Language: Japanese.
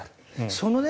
そのね